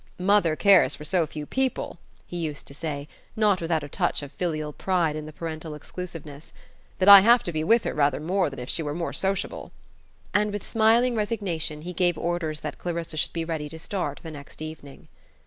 "Mother cares for so few people," he used to say, not without a touch of filial pride in the parental exclusiveness, "that I have to be with her rather more than if she were more sociable"; and with smiling resignation he gave orders that Clarissa should be ready to start the next evening.